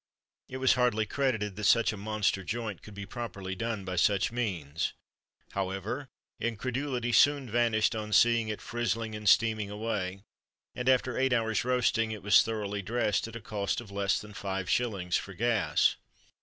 It was hardly credited that such a monster joint could be properly done by such means; however, incredulity soon vanished on seeing it frizzling and steaming away; and after eight hours' roasting it was thoroughly dressed, at a cost of less than five shillings for gas.